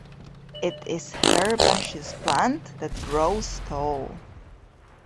It is herbaceous plant that grows tall.